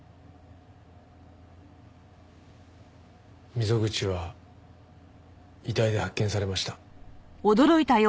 溝口は遺体で発見されました。